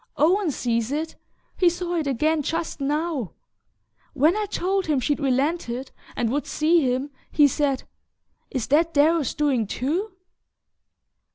Owen sees it he saw it again just now! When I told him she'd relented, and would see him, he said: 'Is that Darrow's doing too?